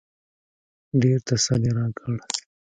ډېر تسل يې راکړ.